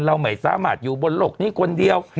เราไม่สามารถอยู่บนโลกนี้คนเดียว